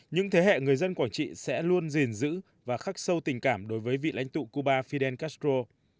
những thế hệ người dân quảng trị sẽ luôn gìn giữ và khắc sâu tình cảm đối với vị lãnh tụ cuba fidel castro